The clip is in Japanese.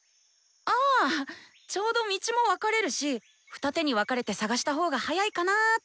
あちょうど道も分かれるし二手に分かれて探した方が早いかなって。